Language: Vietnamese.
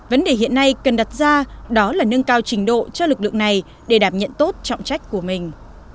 vấn đề hiện nay cần đặt ra đó là nâng cao trình độ cho lực lượng này để đảm nhận tốt trọng trách của mình